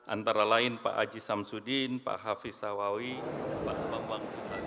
antara lain pak aji samsudin pak hafiz sawawi pak bambang susanto